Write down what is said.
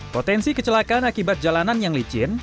potensi kecelakaan akibat jalanan yang licin